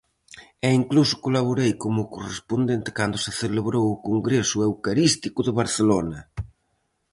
E incluso colaborei como correspondente cando se celebrou o Congreso Eucarístico de Barcelona!